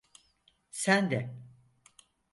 Sende…